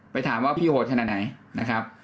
ไปถามว่าพี่โหดขนาดไหน